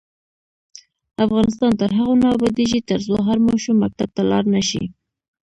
افغانستان تر هغو نه ابادیږي، ترڅو هر ماشوم مکتب ته لاړ نشي.